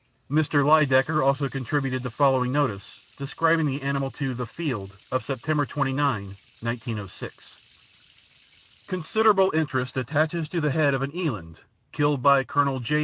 Mr. Lydekker also contributed the following notice describing the animal to The Field of September 29, 1906: "Considerable interest attaches to the head of an eland, killed by Colonel J.